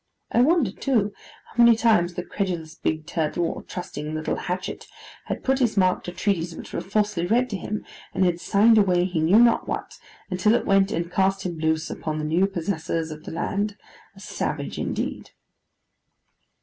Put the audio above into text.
I wonder, too, how many times the credulous Big Turtle, or trusting Little Hatchet, had put his mark to treaties which were falsely read to him; and had signed away, he knew not what, until it went and cast him loose upon the new possessors of the land, a savage indeed.